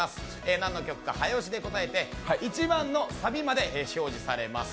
何の曲か早押しで答えて１番のサビまで表示されます。